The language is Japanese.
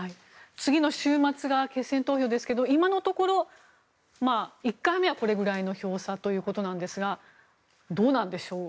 次の週末が決選投票ですが、今のところ１回目はこれぐらいの票差ということですがどうなのでしょう。